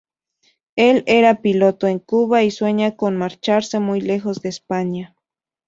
Él era piloto en Cuba y sueña con marcharse muy lejos de España.